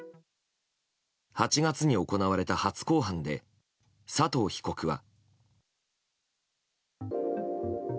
８月に行われた初公判で佐藤被告は。